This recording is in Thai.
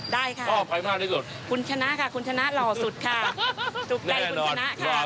ได้ค่ะคุณชนะค่ะคุณชนะหล่อสุดค่ะจุกใจคุณชนะค่ะแน่นอน